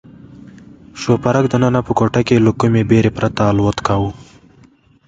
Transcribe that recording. شوپرک دننه په کوټه کې له کومې بېرې پرته الوت کاوه.